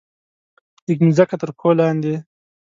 لږه مځکه ترپښو لاندې